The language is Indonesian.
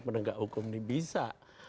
pendengar hukum ini bisa